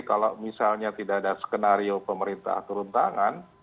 kalau misalnya tidak ada skenario pemerintah turun tangan